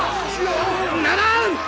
ならん！